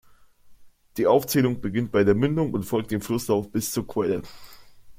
Die Aufzählung beginnt bei der Mündung und folgt dem Flusslauf bis zur Quelle.